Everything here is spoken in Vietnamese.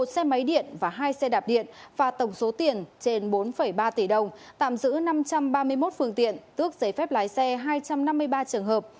một xe máy điện và hai xe đạp điện và tổng số tiền trên bốn ba tỷ đồng tạm giữ năm trăm ba mươi một phương tiện tước giấy phép lái xe hai trăm năm mươi ba trường hợp